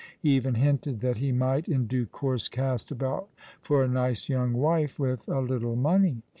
He even hinted that ho might, in due course, cast about for a nice young wife — with a little money.